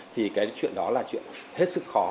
thì cái chuyện đó là chuyện hết sức khó